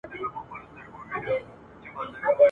مانا دا چي هلک د مور پاتمړی واکمن وي